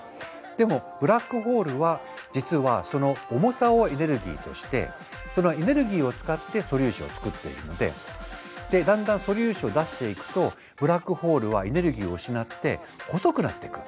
でもブラックホールは実はその重さをエネルギーとしてそのエネルギーを使って素粒子を作っているのでだんだん素粒子を出していくとブラックホールはエネルギーを失って細くなっていく。